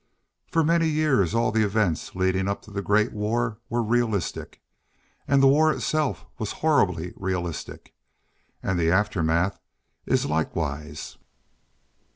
For many years all the events leading up to the great war were realistic, and the war itself was horribly realistic, and the aftermath is likewise.